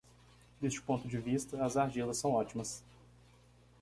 Deste ponto de vista, as argilas são ótimas.